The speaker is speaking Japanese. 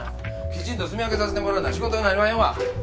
きちんと住み分けさせてもらわな仕事になりまへんわ。